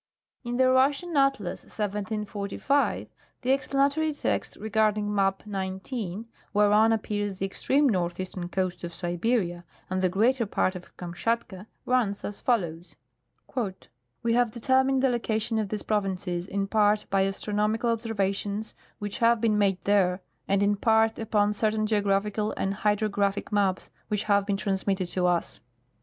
In the Russian atlas, 1745, the explanatory text regarding map 19, whereon apj)ears the extreme northeastern coast of Siberia and the greater part of Kamshatka, runs as follows :" We have determined the location of these provinces in part by astro nomical observations which have been made there, and in part upon cer tain geographical and hydrogi'aphic maps which have been transmitted to us."